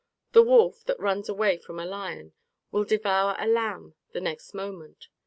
The wolf, that runs away from a lion, will devour a lamb the next moment.